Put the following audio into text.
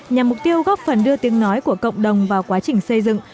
nhằm mục tiêu góp phần đưa tiếng nói của cộng đồng vào quá trình xây dựng